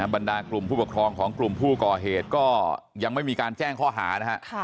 บรรดากลุ่มผู้ปกครองของกลุ่มผู้ก่อเหตุก็ยังไม่มีการแจ้งข้อหานะฮะ